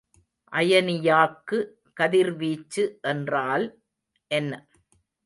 அயனியாக்கு கதிர்வீச்சு என்றால் என்ன?